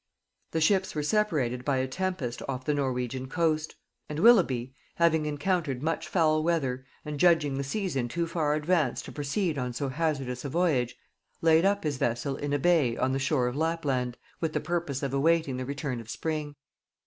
The ships were separated by a tempest off the Norwegian coast; and Willoughby, having encountered much foul weather and judging the season too far advanced to proceed on so hazardous a voyage, laid up his vessel in a bay on the shore of Lapland, with the purpose of awaiting the return of spring.